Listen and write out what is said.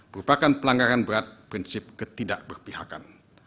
merupakan pelanggaran berat prinsip ketidakberpihakan